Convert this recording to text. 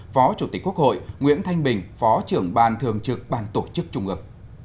phó chủ tịch quốc hội nguyễn thanh bình phó trưởng ban thường trực ban tổ chức trung ương